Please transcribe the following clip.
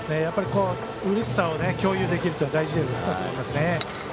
うれしさを共有できるというのは大事だと思います。